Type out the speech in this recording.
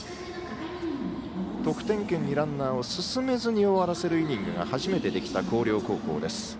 得点圏にランナーを進めずに終わらせるイニングが始めてできた広陵高校です。